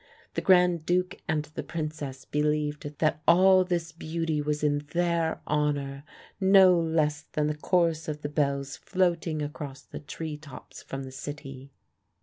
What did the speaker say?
The Grand Duke and the Princess believed that all this beauty was in their honour, no less than the chorus of the bells floating across the tree tops from the city.